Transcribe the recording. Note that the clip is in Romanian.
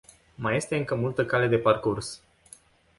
Mai este încă multă cale de parcurs.